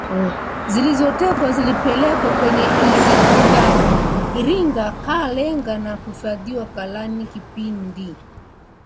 zilizotekwa zilipelekwa kwenye IringaKalenga na kuhifadhiwa ghalaniKipindi cha vita vidogo Baada ya